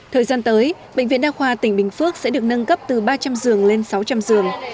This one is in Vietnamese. thời gian tới bệnh viện đa khoa tỉnh bình phước sẽ được nâng cấp từ ba trăm linh giường lên sáu trăm linh giường